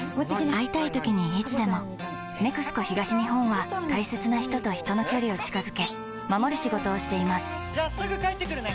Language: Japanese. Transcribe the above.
会いたいときにいつでも「ＮＥＸＣＯ東日本」は大切な人と人の距離を近づけ守る仕事をしていますじゃあすぐ帰ってくるね！